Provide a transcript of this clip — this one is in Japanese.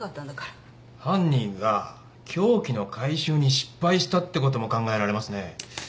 犯人が凶器の回収に失敗したってことも考えられますね。